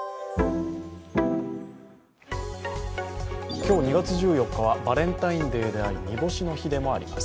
今日２月１４日はバレンタインデーであり煮干しの日でもあります。